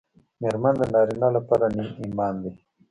مېرمن د نارینه لپاره نیم ایمان دی